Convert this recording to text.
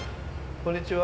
こんにちは。